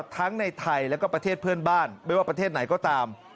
ทั้งในไทยแล้วก็ประเทศเพื่อนบ้านไม่ว่าประเทศไหนก็ตาม